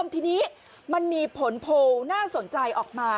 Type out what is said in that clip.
ทีนี้มันมีผลโพลน่าสนใจออกมา